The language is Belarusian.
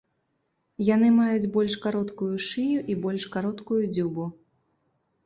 Яны маюць больш кароткую шыю і больш кароткую дзюбу.